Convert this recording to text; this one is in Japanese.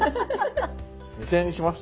２，０００円にします。